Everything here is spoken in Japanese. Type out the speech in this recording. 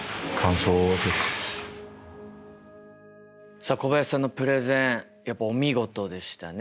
さあ小林さんのプレゼンやっぱお見事でしたね。